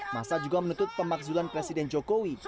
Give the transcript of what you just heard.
masa juga menuntut pemakzulan presiden jokowi